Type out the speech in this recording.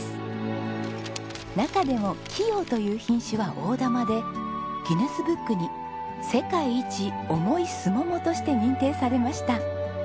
中でも「貴陽」という品種は大玉でギネスブックに世界一重いスモモとして認定されました。